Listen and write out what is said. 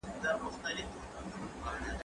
زه پرون اوبه پاکوم،